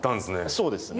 そうですね。